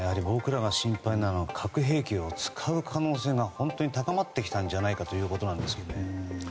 僕らが心配なのは核兵器を使う可能性が本当に高まってきたんじゃないかということです。